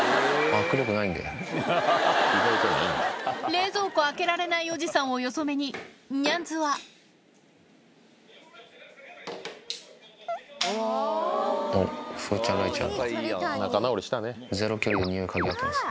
冷蔵庫開けられないおじさんをよそ目にニャンズはおっ風ちゃん雷ちゃんがゼロ距離でにおい嗅ぎ合ってます。